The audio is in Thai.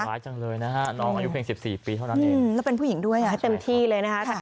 น้องอายุเพียง๑๔ปีเท่านั้นแล้วเป็นผู้หญิงด้วยเต็มที่เลยนะ